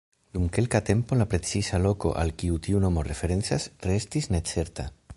Dum kelka tempo la preciza loko al kiu tiu nomo referencas restis necerta.